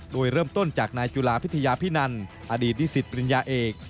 โดยเริ่มต้นจากนายจุฬาพิทยาพินันอดีตนิสิตปริญญาเอก